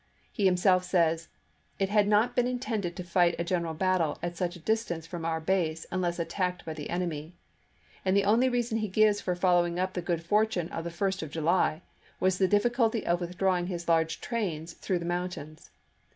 He himself says :" It had not been intended to fight a general battle at such a distance from our base unless attacked by the enemy"; and the only reason he gives for follow ing up the good fortune of the 1st of July was the difficulty of withdrawing his large trains through the mountains.